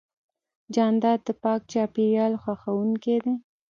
جانداد د پاک چاپېریال خوښوونکی دی.